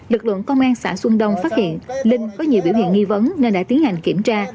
lực lượng công an xã xuân đông phát hiện linh có nhiều biểu hiện nghi vấn nên đã tiến hành kiểm tra